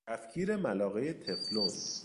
کفگیر ملاقه تفلون